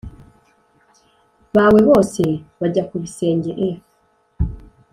bawe bose bajya ku bisenge f